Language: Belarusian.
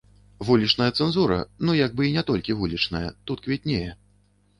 Вулічная цэнзура, ну як бы і не толькі вулічная, тут квітнее.